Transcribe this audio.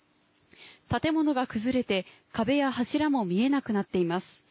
建物が崩れて、壁や柱も見えなくなっています。